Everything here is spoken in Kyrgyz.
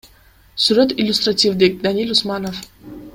Сүрөт иллюстративдик, Даниль Усманов.